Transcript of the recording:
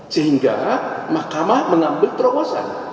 sehingga mahkamah mengambil terobosan